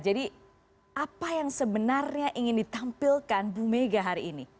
jadi apa yang sebenarnya ingin ditampilkan bumega hari ini